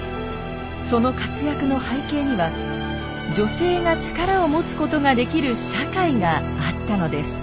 その活躍の背景には女性が力を持つことができる社会があったのです。